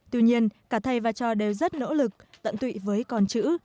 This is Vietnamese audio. tuy nhiên cả thầy và trò đều rất nỗ lực tận tụy với con chữ